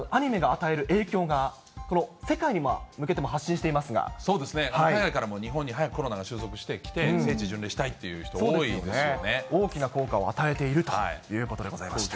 ですので、アニメが与える影響が、世界に向けても発信していそうですね、海外からも日本に早くコロナが収束して、来て、聖地巡礼したいという人、多いで大きな効果を与えているということでございました。